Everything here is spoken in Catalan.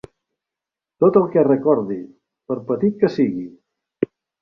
Tot el que recordi, per petit que sigui.